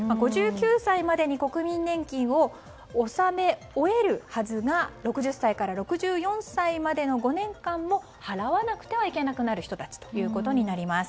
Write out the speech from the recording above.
５９歳までに国民年金を納め終えるはずが６０歳から６４歳までの５年間も払わなくてはいけなくなる人たちということになります。